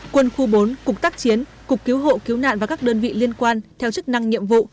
quân khu bốn cục tác chiến cục cứu hộ cứu nạn và các đơn vị liên quan theo chức năng nhiệm vụ